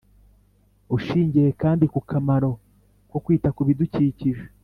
Ushingiye kandi ku kamaro ko kwita kubidukikije